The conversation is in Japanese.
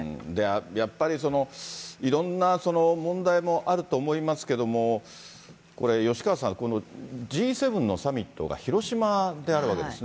やっぱり、いろんな問題もあると思いますけれども、吉川さん、Ｇ７のサミットが広島であるわけですね。